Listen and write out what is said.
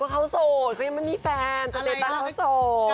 ก็เขาสดเพราะยังไม่มีแฟนแต่เดี๋ยวแปปเขาสด